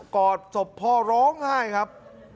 อดศพพ่อร้องไห้ครับ